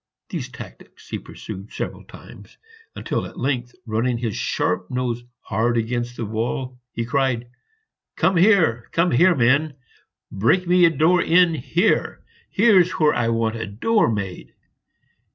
These tactics he pursued several times, until at length, running his sharp nose hard against the wall, he cried, "Come here, come here, men! break me a door in here! Here's where I want a door made!"